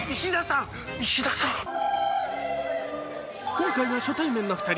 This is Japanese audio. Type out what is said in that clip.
今回が初対面の２人。